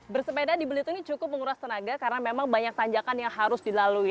bersepeda di belitung ini cukup menguras tenaga karena memang banyak tanjakan yang harus dilalui